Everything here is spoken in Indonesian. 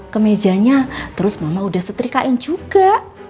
kemajanya terus mama udah setrika in juga